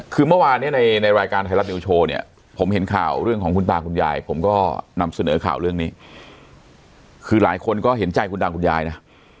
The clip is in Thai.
คือเมื่อวานเนี่ยในรายการไทยรัฐนิวโชว์เนี่ยผมเห็นข่าวเรื่องของคุณตาคุณยายผมก็นำเสนอข่าวเรื่องนี้คือหลายคนก็เห็นใจคุณตาคุณยายนะ